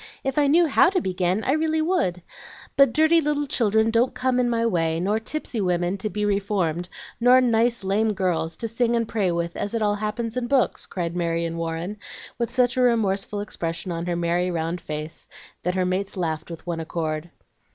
If I knew HOW to begin, I really would. But dirty little children don't come in my way, nor tipsy women to be reformed, nor nice lame girls to sing and pray with, as it all happens in books," cried Marion Warren, with such a remorseful expression on her merry round face that her mates laughed with one accord.